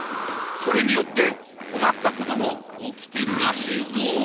それによってこまったことも起きてるらしいぞ。